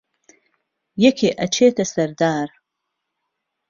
یەکێ ئەچێتە سەر دار